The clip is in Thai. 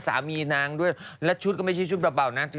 สามีนางด้วยและชุดก็ไม่ใช่ชุดเบานะ